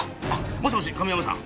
もしもし亀山さん。